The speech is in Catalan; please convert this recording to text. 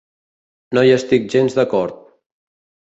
No hi estic gens d'acord.